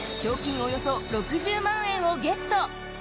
およそ６０万円をゲット。